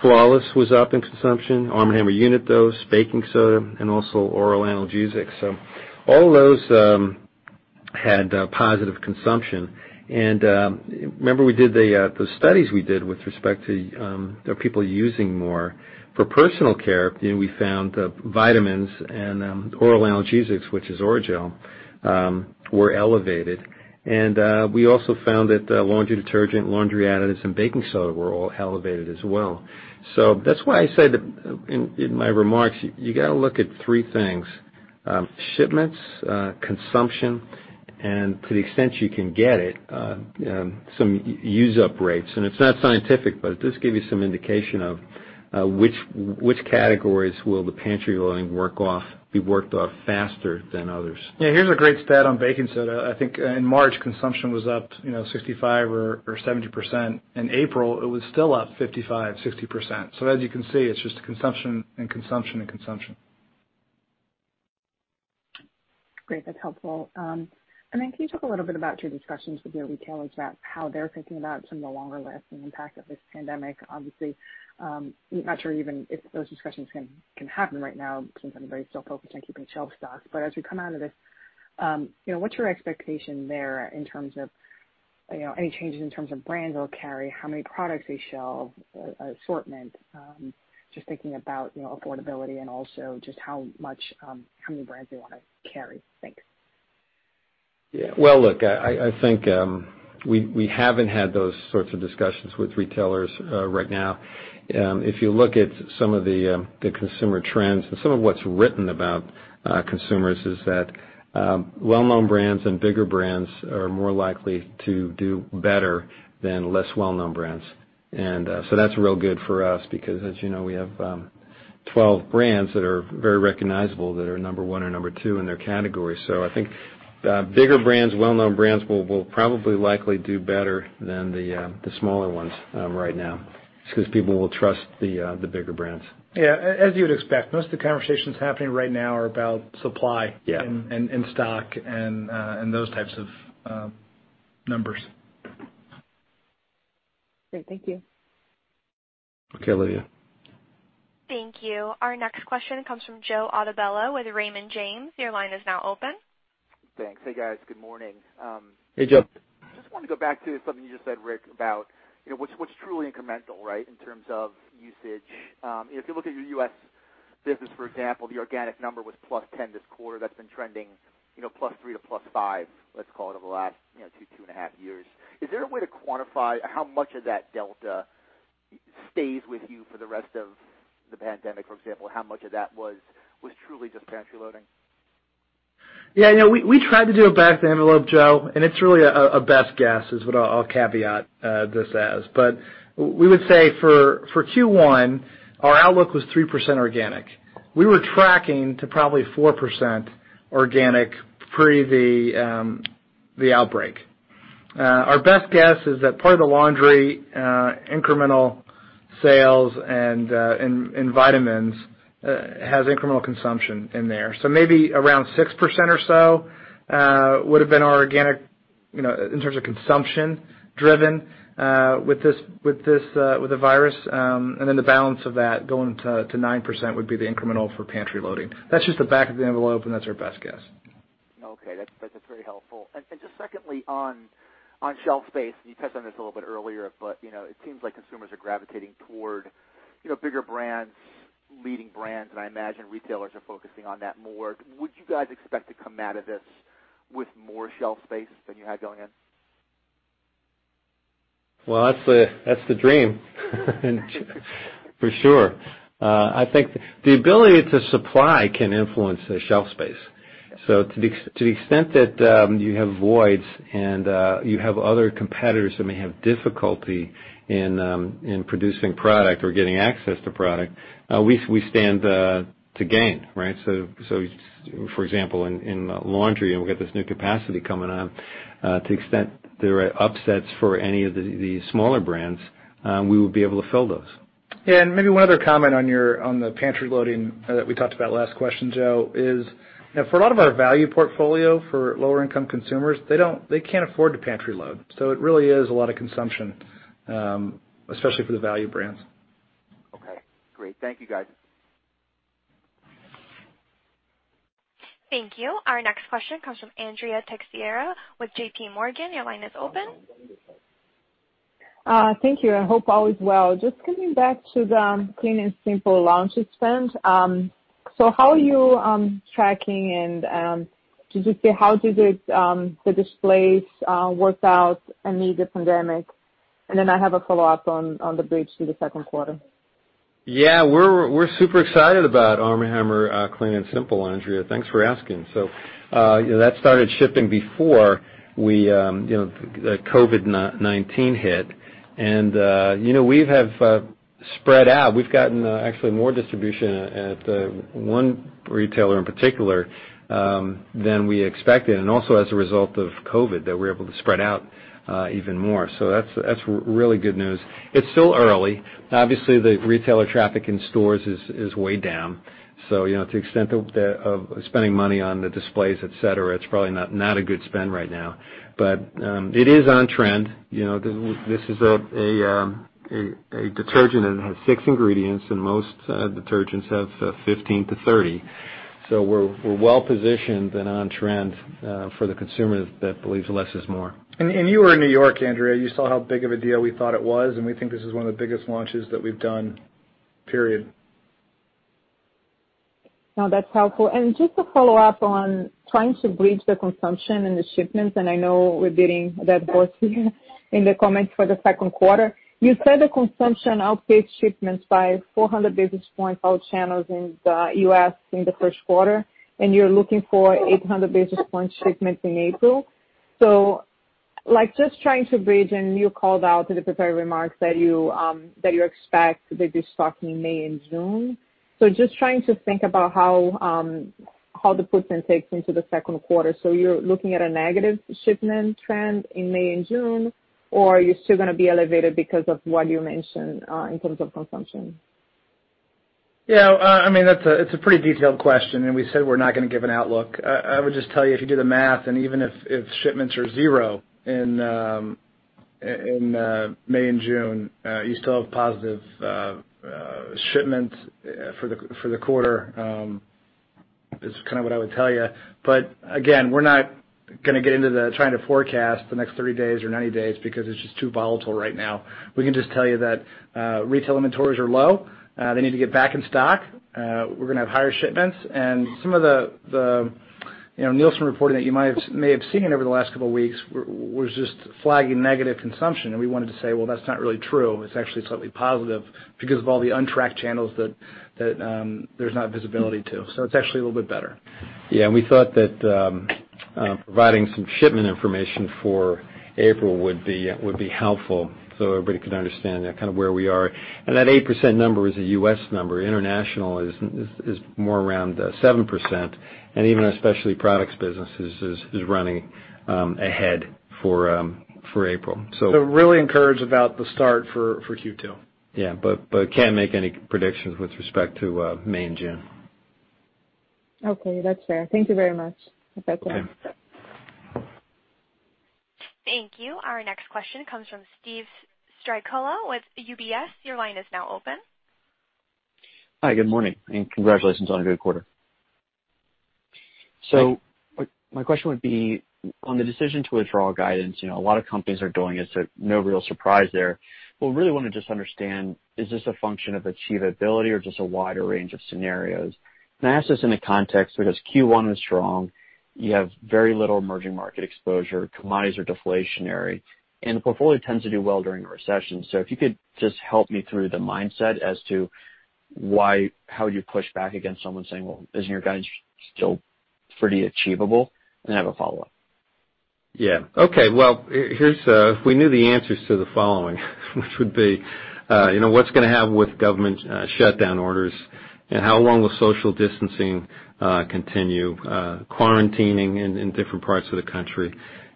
B: Flawless was up in consumption. Arm & Hammer Unit Dose, though, Baking Soda, and also Oral Analgesics. All of those had positive consumption. Remember, we did the studies we did with respect to people using more for personal care. We found vitamins and Oral Analgesics, which is Orajel, were elevated. We also found that laundry detergent, laundry additives, and baking soda were all elevated as well. That is why I said in my remarks, you got to look at three things: shipments, consumption, and to the extent you can get it, some use-up rates. It is not scientific, but it does give you some indication of which categories will the pantry loading be worked off faster than others.
C: Yeah. Here's a great stat on baking soda. I think in March, consumption was up 65% or 70%. In April, it was still up 55%-60%. As you can see, it's just consumption and consumption and consumption.
I: Great. That's helpful. Can you talk a little bit about your discussions with your retailers about how they're thinking about some of the longer lists and the impact of this pandemic? Obviously, not sure even if those discussions can happen right now since everybody's still focused on keeping shelf stocks. As we come out of this, what's your expectation there in terms of any changes in terms of brands they'll carry, how many products they shelf, assortment, just thinking about affordability, and also just how many brands they want to carry? Thanks.
B: Yeah. Look, I think we haven't had those sorts of discussions with retailers right now. If you look at some of the consumer trends and some of what's written about consumers, is that well-known brands and bigger brands are more likely to do better than less well-known brands. That's real good for us because, as you know, we have 12 brands that are very recognizable that are number one or number two in their category. I think bigger brands, well-known brands will probably likely do better than the smaller ones right now just because people will trust the bigger brands.
C: Yeah. As you would expect, most of the conversations happening right now are about supply and stock and those types of numbers.
I: Great. Thank you.
B: Okay, Olivia.
A: Thank you. Our next question comes from Joe Altobello with Raymond James. Your line is now open.
J: Thanks. Hey, guys. Good morning.
B: Hey, Joe.
J: Just wanted to go back to something you just said, Rick, about what's truly incremental, right, in terms of usage. If you look at your U.S. business, for example, the organic number was plus 10% this quarter. That's been trending plus 3% to plus 5%, let's call it, over the last two, two and a half years. Is there a way to quantify how much of that delta stays with you for the rest of the pandemic? For example, how much of that was truly just pantry loading?
C: Yeah. We tried to do a best envelope, Joe. It's really a best guess is what I'll caveat this as. We would say for Q1, our outlook was 3% organic. We were tracking to probably 4% organic pre the outbreak. Our best guess is that part of the laundry incremental sales and vitamins has incremental consumption in there. Maybe around 6% or so would have been organic in terms of consumption driven with the virus. The balance of that going to 9% would be the incremental for pantry loading. That's just the back of the envelope, and that's our best guess.
J: Okay. That's very helpful. Just secondly, on shelf space, you touched on this a little bit earlier, but it seems like consumers are gravitating toward bigger brands, leading brands. I imagine retailers are focusing on that more. Would you guys expect to come out of this with more shelf space than you had going in?
B: That's the dream, for sure. I think the ability to supply can influence the shelf space. To the extent that you have voids and you have other competitors that may have difficulty in producing product or getting access to product, we stand to gain, right? For example, in laundry, and we got this new capacity coming on, to the extent there are upsets for any of the smaller brands, we would be able to fill those.
C: Yeah. Maybe one other comment on the pantry loading that we talked about last question, Joe, is for a lot of our value portfolio for lower-income consumers, they cannot afford to pantry load. It really is a lot of consumption, especially for the value brands.
J: Okay. Great. Thank you, guys.
A: Thank you. Our next question comes from Anne Teixeira with J.P. Morgan. Your line is open.
K: Thank you. I hope all is well. Just coming back to the Clean & Simple Laundry spend. How are you tracking? Did you see how the displays worked out amid the pandemic? I have a follow-up on the bridge to the second quarter.
B: Yeah. We're super excited about Arm & Hammer Clean & Simple Laundry. Thanks for asking. That started shipping before the COVID-19 hit. We have spread out. We've gotten actually more distribution at one retailer in particular than we expected and also as a result of COVID that we're able to spread out even more. That is really good news. It's still early. Obviously, the retailer traffic in stores is way down. To the extent of spending money on the displays, etc., it's probably not a good spend right now. It is on trend. This is a detergent that has six ingredients, and most detergents have 15-30. We're well positioned and on trend for the consumer that believes less is more.
C: You were in New York, Andrea. You saw how big of a deal we thought it was. We think this is one of the biggest launches that we've done, period.
K: No, that's helpful. Just to follow up on trying to bridge the consumption and the shipments. I know we're getting that voice in the comments for the second quarter. You said the consumption outpaced shipments by 400 basis points all channels in the U.S. in the first quarter. You're looking for 800 basis points shipments in April. Just trying to bridge, and you called out in the prepared remarks that you expect the stock in May and June. Just trying to think about how the puts and takes into the second quarter. You're looking at a negative shipment trend in May and June, or are you still going to be elevated because of what you mentioned in terms of consumption?
C: Yeah. I mean, it's a pretty detailed question. We said we're not going to give an outlook. I would just tell you, if you do the math, and even if shipments are zero in May and June, you still have positive shipments for the quarter is kind of what I would tell you. Again, we're not going to get into trying to forecast the next 30 days or 90 days because it's just too volatile right now. We can just tell you that retail inventories are low. They need to get back in stock. We're going to have higher shipments. Some of the Nielsen reporting that you may have seen over the last couple of weeks was just flagging negative consumption. We wanted to say, "Well, that's not really true. It's actually slightly positive because of all the untracked channels that there's not visibility to. It's actually a little bit better.
B: Yeah. We thought that providing some shipment information for April would be helpful so everybody could understand kind of where we are. That 8% number is a U.S. number. International is more around 7%. Even our specialty products business is running ahead for April.
C: Really encouraged about the start for Q2.
B: Yeah. Can't make any predictions with respect to May and June.
K: Okay. That's fair. Thank you very much.
B: Okay.
A: Thank you. Our next question comes from Steve Strycula with UBS. Your line is now open.
L: Hi. Good morning. Congratulations on a good quarter. My question would be on the decision to withdraw guidance. A lot of companies are doing it. No real surprise there. We really want to just understand, is this a function of achievability or just a wider range of scenarios? I ask this in the context because Q1 was strong. You have very little emerging market exposure. Commodities are deflationary. The portfolio tends to do well during a recession. If you could just help me through the mindset as to how you push back against someone saying, "Isn't your guidance still pretty achievable?" I have a follow-up.
B: Yeah. Okay. If we knew the answers to the following, which would be what's going to happen with government shutdown orders and how long will social distancing continue, quarantining in different parts of the country,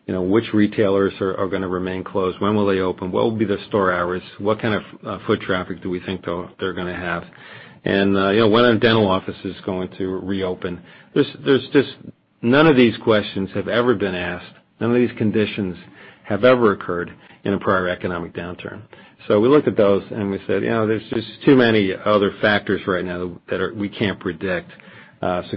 B: which retailers are going to remain closed, when will they open, what will be their store hours, what kind of foot traffic do we think they're going to have, and when are dental offices going to reopen? None of these questions have ever been asked. None of these conditions have ever occurred in a prior economic downturn. We looked at those, and we said, "There's just too many other factors right now that we can't predict."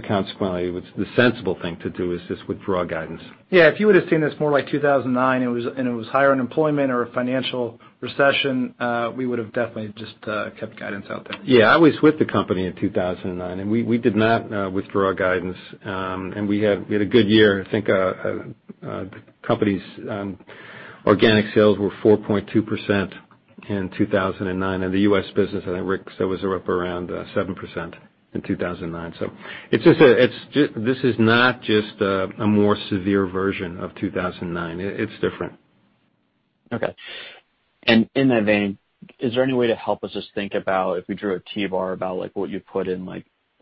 B: Consequently, the sensible thing to do is just withdraw guidance.
C: Yeah. If you would have seen this more like 2009 and it was higher unemployment or a financial recession, we would have definitely just kept guidance out there.
B: Yeah. I was with the company in 2009, and we did not withdraw guidance. And we had a good year. I think the company's organic sales were 4.2% in 2009. And the U.S. business, I think Rick said, was up around 7% in 2009. So this is not just a more severe version of 2009. It's different.
L: Okay. In that vein, is there any way to help us just think about if we drew a T-bar about what you put in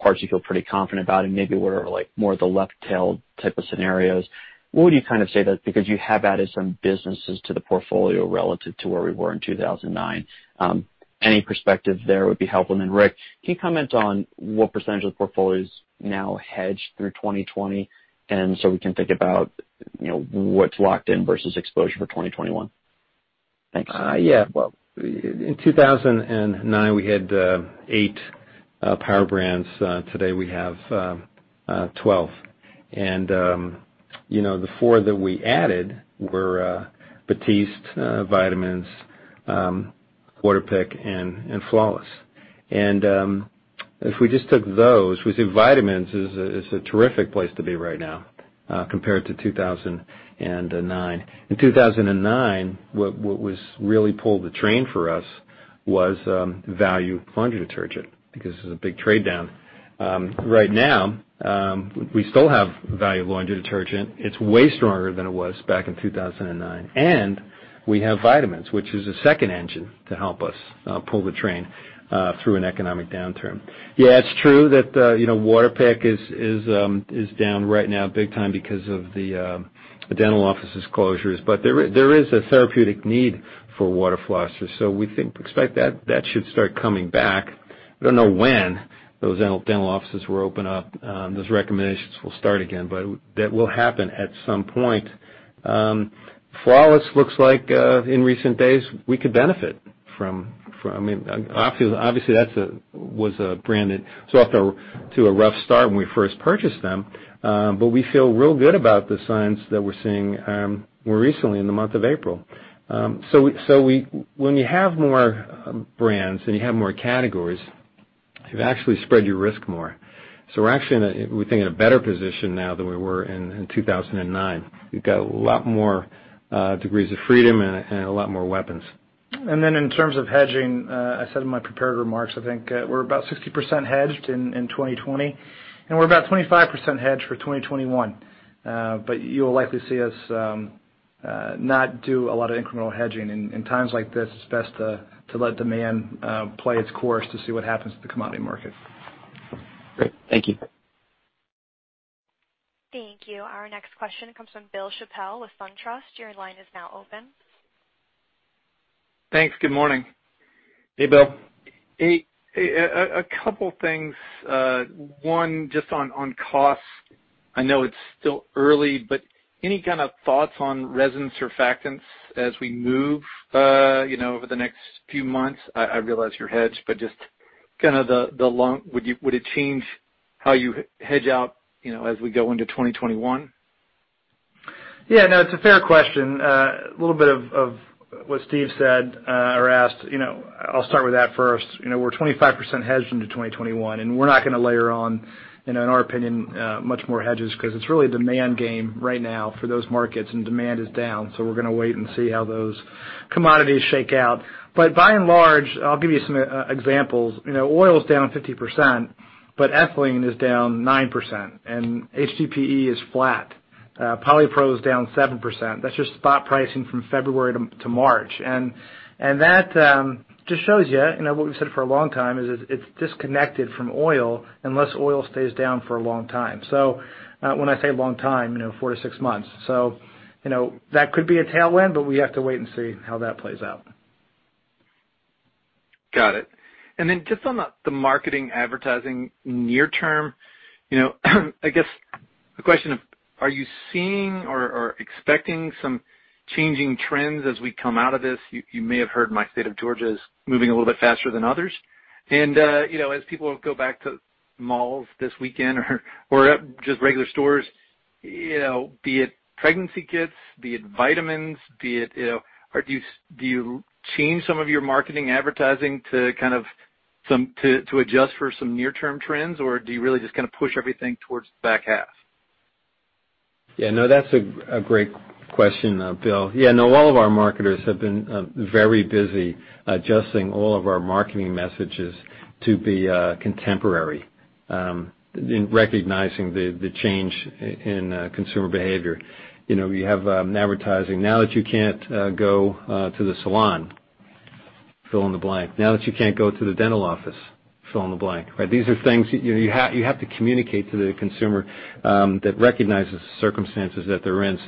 L: parts you feel pretty confident about and maybe were more of the left-tailed type of scenarios? What would you kind of say that because you have added some businesses to the portfolio relative to where we were in 2009? Any perspective there would be helpful. Rick, can you comment on what percentage of the portfolios is now hedged through 2020? So we can think about what's locked in versus exposure for 2021? Thanks.
B: Yeah. In 2009, we had eight power brands. Today, we have 12. The four that we added were BATISTE, Vitamins, WATERPIK, and Flawless. If we just took those, we say Vitamins is a terrific place to be right now compared to 2009. In 2009, what really pulled the train for us was value laundry detergent because there is a big trade down. Right now, we still have value laundry detergent. It is way stronger than it was back in 2009. We have Vitamins, which is a second engine to help us pull the train through an economic downturn. Yeah. It is true that WATERPIK is down right now big time because of the dental offices' closures. There is a therapeutic need for water flossers. We expect that should start coming back. We do not know when those dental offices will open up. Those recommendations will start again, but that will happen at some point. Flawless looks like in recent days we could benefit from. I mean, obviously, that was a brand that was off to a rough start when we first purchased them. But we feel real good about the signs that we're seeing more recently in the month of April. When you have more brands and you have more categories, you've actually spread your risk more. We're actually thinking in a better position now than we were in 2009. We've got a lot more degrees of freedom and a lot more weapons.
C: In terms of hedging, I said in my prepared remarks, I think we're about 60% hedged in 2020, and we're about 25% hedged for 2021. You'll likely see us not do a lot of incremental hedging. In times like this, it's best to let demand play its course to see what happens to the commodity market.
L: Great. Thank you.
A: Thank you. Our next question comes from Bill Chappell with Fund Trust. Your line is now open.
M: Thanks. Good morning.
B: Hey, Bill.
M: Hey. A couple of things. One, just on costs. I know it's still early, but any kind of thoughts on resin surfactants as we move over the next few months? I realize you're hedged, but just kind of the long, would it change how you hedge out as we go into 2021?
C: Yeah. No, it's a fair question. A little bit of what Steve said or asked. I'll start with that first. We're 25% hedged into 2021, and we're not going to layer on, in our opinion, much more hedges because it's really a demand game right now for those markets, and demand is down. We're going to wait and see how those commodities shake out. By and large, I'll give you some examples. Oil is down 50%, but ethylene is down 9%, and HDPE is flat. Polypro is down 7%. That's just spot pricing from February to March. That just shows you what we've said for a long time is it's disconnected from oil unless oil stays down for a long time. When I say long time, four to six months. That could be a tailwind, but we have to wait and see how that plays out.
M: Got it. Then just on the marketing advertising near term, I guess a question of are you seeing or expecting some changing trends as we come out of this? You may have heard my state of Georgia is moving a little bit faster than others. As people go back to malls this weekend or just regular stores, be it pregnancy kits, be it vitamins, be it do you change some of your marketing advertising to kind of adjust for some near-term trends, or do you really just kind of push everything towards the back half?
B: Yeah. No, that's a great question, Bill. Yeah. No, all of our marketers have been very busy adjusting all of our marketing messages to be contemporary in recognizing the change in consumer behavior. You have advertising now that you can't go to the salon, fill in the blank. Now that you can't go to the dental office, fill in the blank. Right? These are things you have to communicate to the consumer that recognizes the circumstances that they're in.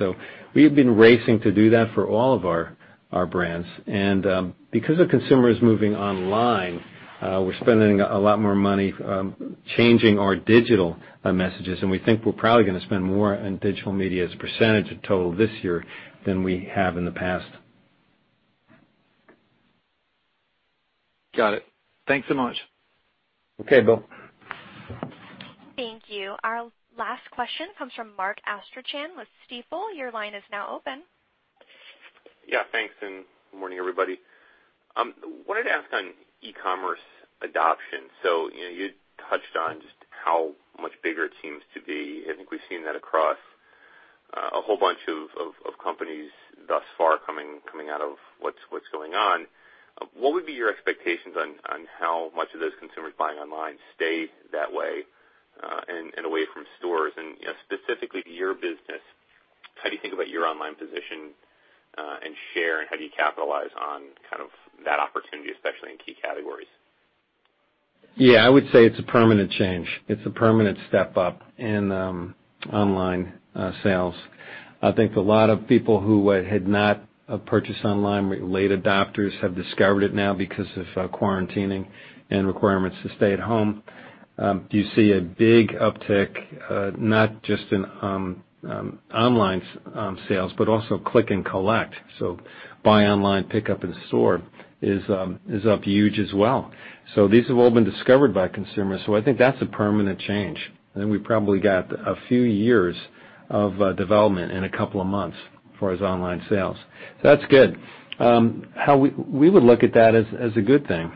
B: We have been racing to do that for all of our brands. Because the consumer is moving online, we're spending a lot more money changing our digital messages. We think we're probably going to spend more in digital media as a percentage of total this year than we have in the past.
M: Got it. Thanks so much.
B: Okay, Bill.
A: Thank you. Our last question comes from Mark Astrachan with Stifel. Your line is now open.
N: Yeah. Thanks. Good morning, everybody. I wanted to ask on e-commerce adoption. You touched on just how much bigger it seems to be. I think we've seen that across a whole bunch of companies thus far coming out of what's going on. What would be your expectations on how much of those consumers buying online stay that way and away from stores? Specifically to your business, how do you think about your online position and share, and how do you capitalize on kind of that opportunity, especially in key categories?
B: Yeah. I would say it's a permanent change. It's a permanent step up in online sales. I think a lot of people who had not purchased online, late adopters, have discovered it now because of quarantining and requirements to stay at home. You see a big uptick not just in online sales, but also click and collect. Buy online, pick up in store is up huge as well. These have all been discovered by consumers. I think that's a permanent change. I think we probably got a few years of development in a couple of months for his online sales. That's good. We would look at that as a good thing.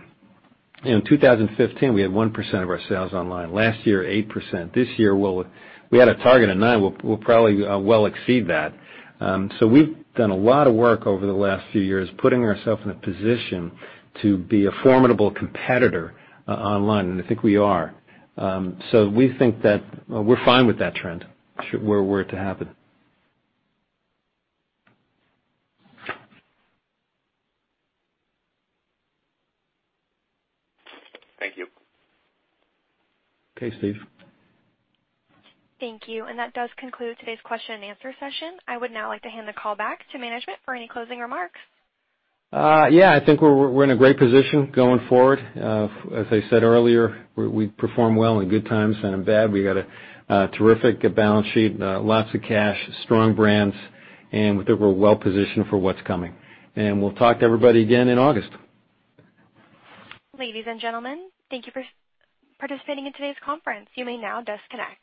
B: In 2015, we had 1% of our sales online. Last year, 8%. This year, we had a target of 9%. We'll probably well exceed that. We've done a lot of work over the last few years putting ourself in a position to be a formidable competitor online. I think we are. We think that we're fine with that trend where we're to happen.
N: Thank you.
B: Okay, Steve.
A: Thank you. That does conclude today's question and answer session. I would now like to hand the call back to management for any closing remarks.
B: Yeah. I think we're in a great position going forward. As I said earlier, we perform well in good times and in bad. We got a terrific balance sheet, lots of cash, strong brands, and we think we're well positioned for what's coming. We'll talk to everybody again in August.
A: Ladies and gentlemen, thank you for participating in today's conference. You may now disconnect.